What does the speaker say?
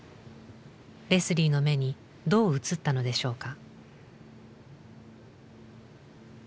レスリーの目にどう映ったのでしょうか。